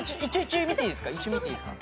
一応見ていいですか？